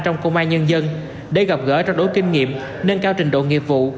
trong công an nhân dân để gặp gỡ trong đối kinh nghiệm nâng cao trình độ nghiệp vụ